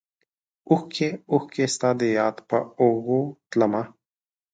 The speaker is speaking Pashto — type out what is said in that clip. اوښکې ، اوښکې ستا دیاد په اوږو تلمه